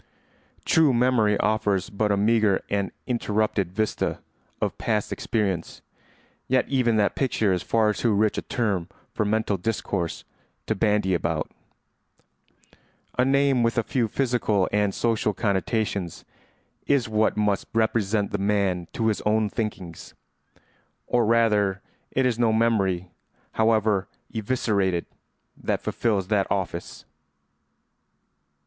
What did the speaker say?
True memory offers but a meagre and interrupted vista of past experience, yet even that picture is far too rich a term for mental discourse to bandy about; a name with a few physical and social connotations is what must represent the man to his own thinkings. Or rather it is no memory, however eviscerated, that fulfils that office.